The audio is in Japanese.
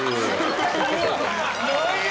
何や？